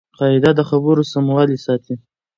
قاعده د خبرو سموالی ساتي.